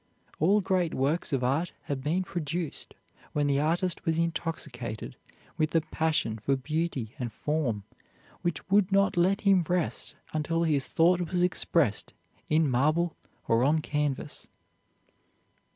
All great works of art have been produced when the artist was intoxicated with the passion for beauty and form which would not let him rest until his thought was expressed in marble or on canvas.